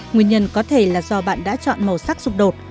nguyên nhân có thể là do bạn đã chọn màu sắc xúc đột